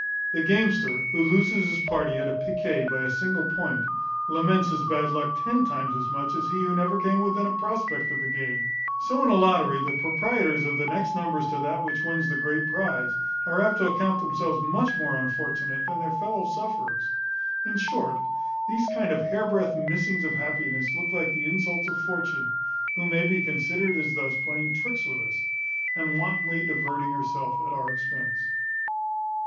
The gamester, who loses his party at piquet by a single point, laments his bad luck ten times as much as he who never came within a prospect of the game. So in a lottery, the proprietors of the next numbers to that which wins the great prize are apt to account themselves much more unfortunate than their fellow sufferers. In short, these kind of hairbreadth missings of happiness look like the insults of Fortune, who may be considered as thus playing tricks with us, and wantonly diverting herself at our expense.